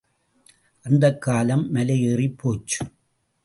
அந்தக் காலம் மலை ஏறிப் போச்சு.